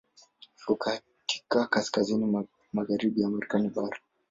Iko katika kaskazini magharibi ya Marekani bara.